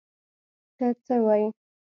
ته څه وایې!؟